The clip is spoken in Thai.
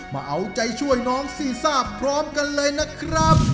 มาเอาใจช่วยน้องซีซ่าพร้อมกันเลยนะครับ